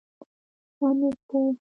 ژوند اوږد دی